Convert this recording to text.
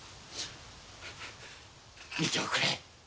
見ておくれ。